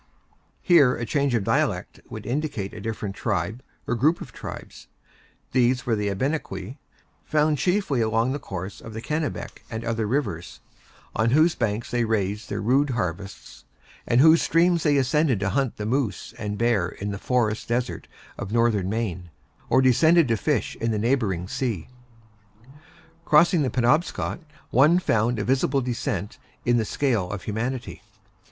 Here, a change of dialect would indicate a different tribe, or group of tribes. These were the Abenaquis, found chiefly along the course of the Kennebec and other rivers, on whose banks they raised their rude harvests, and whose streams they ascended to hunt the moose and bear in the forest desert of Northern Maine, or descended to fish in the neighboring sea. The Tarratines of New England writers were the Abenaquis, or a portion of them. Crossing the Penobscot, one found a visible descent in the scale of humanity.